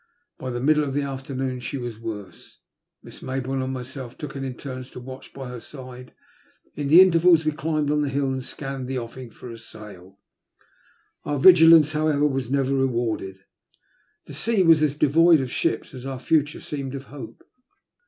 By the middle of the afternoon she was worse. Miss Mayboume and myself took it in turns to watch by her side; in the intervals, we climbed the hill and scanned the ofi&ng for a sail. Oar vigilancoi however, was never rewarded — the sea was as devoid of ships as our future seemed of hope.